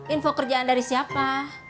info kerjaan dari siapa